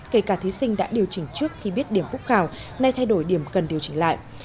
kể cả thí sinh đã điều chỉnh trước khi biết điểm phúc khảo nay thay đổi điểm cần điều chỉnh lại